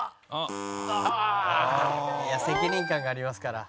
いや責任感がありますから。